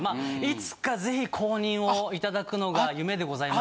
いつかぜひ公認を頂くのが夢でございまして。